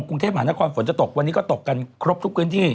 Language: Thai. กรุงเทพมหานครฝนจะตกวันนี้ก็ตกกันครบทุกพื้นที่